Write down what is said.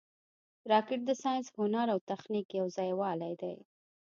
راکټ د ساینس، هنر او تخنیک یو ځای والې دی